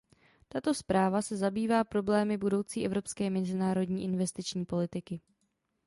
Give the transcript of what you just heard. Tato zpráva se zabývá problémy budoucí evropské mezinárodní investiční politiky.